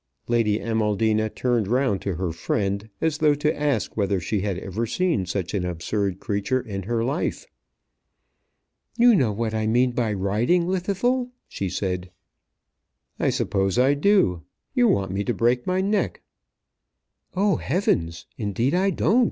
Lady Amaldina turned round to her friend, as though to ask whether she had ever seen such an absurd creature in her life. "You know what I mean by riding, Llwddythlw," she said. "I suppose I do. You want me to break my neck." "Oh, heavens! Indeed I don't."